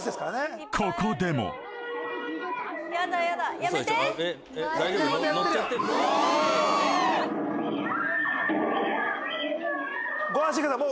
ここでもご安心ください